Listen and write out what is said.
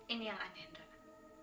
ini yang aneh nanda